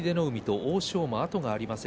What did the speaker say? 欧勝馬、後がありません